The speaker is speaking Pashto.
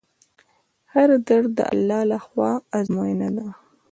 هر درد د الله له خوا ازموینه ده.